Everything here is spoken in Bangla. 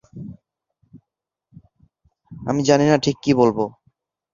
আমি জানিনা ঠিক কি বলবো।